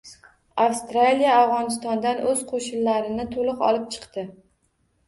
Avstraliya Afg‘onistondan o‘z qo‘shinlarini to‘liq olib chiqdi